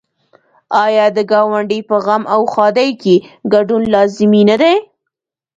آیا د ګاونډي په غم او ښادۍ کې ګډون لازمي نه دی؟